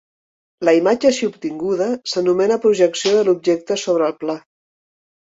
La imatge així obtinguda s'anomena projecció de l'objecte sobre el pla.